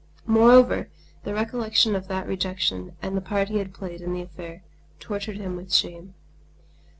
Moreover, the recollection of the rejection and the part he had played in the affair tortured him with shame.